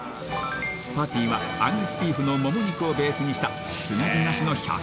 パティはアンガスビーフのもも肉をベースにしたつなぎなしの１００％